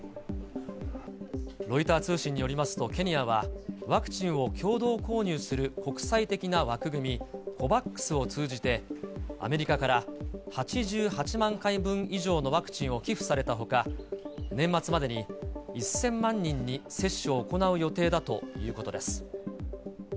ロイター通信によりますと、ケニアはワクチンを共同購入する国際的な枠組み、ＣＯＶＡＸを通じて、アメリカから８８万回分以上のワクチンを寄付されたほか、年末までに１０００万人に接種を行う予定だということです。